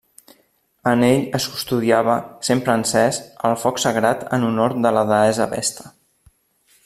En ell es custodiava, sempre encès, el foc sagrat en honor de la deessa Vesta.